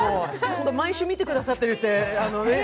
毎週見てくださってるって。